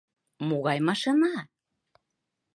— Могай машина?..